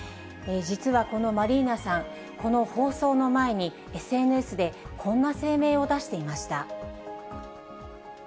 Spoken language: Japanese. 実はこのマリーナさん、この放送の前に、ＳＮＳでこんな声明を出していました。